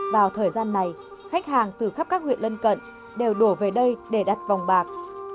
vào thời gian này khách hàng từ khắp các huyện lân cận đều đổ về đây để đặt vòng bạc